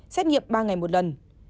xét nghiệm ba ngày một lần